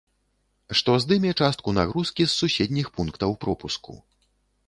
Што здыме частку нагрузкі з суседніх пунктаў пропуску.